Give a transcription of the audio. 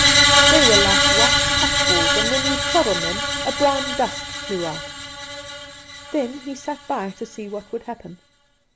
They were like white puff balls, and when you trod on them a brown dust flew out. Then he sat by to see what would happen.